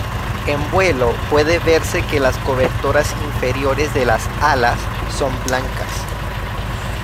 En vuelo, puede verse que las cobertoras inferiores de las alas son blancas.